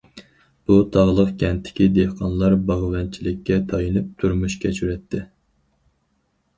بۇ تاغلىق كەنتتىكى دېھقانلار باغۋەنچىلىككە تايىنىپ تۇرمۇش كەچۈرەتتى.